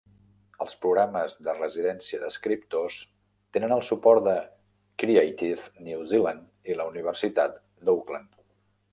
Els programes de residència d'escriptors tenen el suport de Creative New Zealand i la Universitat d'Auckland.